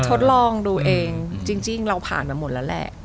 ทดลองดูเองจริงเราผ่านมาหมดแล้วแหละ